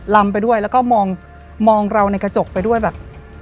ลำไปด้วยแล้วก็มองเราในกระจกไปด้วยแบบ